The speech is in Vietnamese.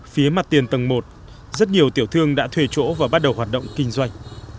phía mặt tiền tầng một rất nhiều tiểu thương đã thuê chỗ và bắt đầu hoạt động kinh doanh